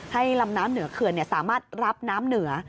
ลำน้ำเหนือเขื่อนสามารถรับน้ำเหนือ